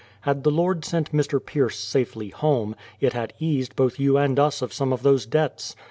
Had the Lord sent Mr. Pierce safely home, it had eased both you and us of some of those debts.